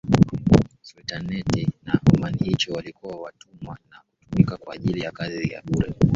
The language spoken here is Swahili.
Sultanate wa Omanhicho walikuwa watumwa na kutumika kwa ajili ya kazi ya bure